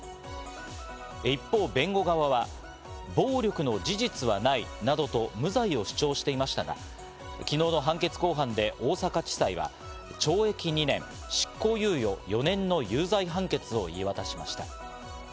一方、弁護側は暴力の事実はないなどと無罪を主張していましたが、昨日の判決公判で大阪地裁は、懲役２年、執行猶予４年の有罪判決を言い渡しました。